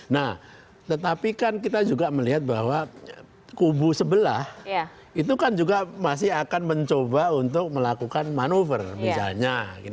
nah tetapi kan kita juga melihat bahwa kubu sebelah itu kan juga masih akan mencoba untuk melakukan manuver misalnya